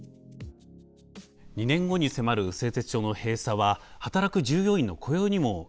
２年後に迫る製鉄所の閉鎖は働く従業員の雇用にも影響を及ぼします。